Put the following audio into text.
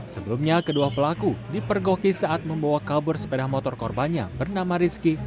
sebelumnya kedua pelaku dipergoki saat membawa kabur sepeda motor korbannya bernama rizky